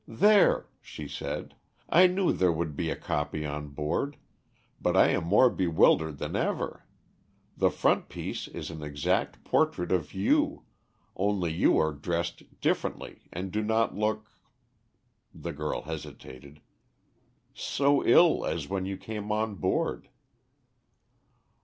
"There," she said, "I knew there would be a copy on board, but I am more bewildered than ever; the frontispiece is an exact portrait of you, only you are dressed differently and do not look " the girl hesitated, "so ill as when you came on board."